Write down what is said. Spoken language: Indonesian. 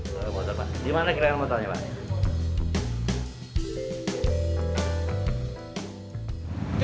saya mau lapor ke helan motor pak